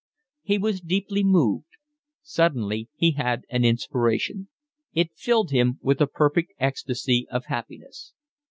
He was deeply moved. Suddenly he had an inspiration. It filled him with a perfect ecstasy of happiness.